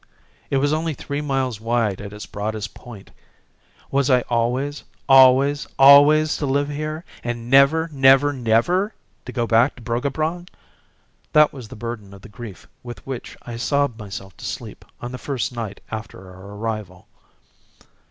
It was only three miles wide at its broadest point. Was I always, always, always to live here, and never, never, never to go back to Bruggabrong? That was the burden of the grief with which I sobbed myself to sleep on the first night after our arrival.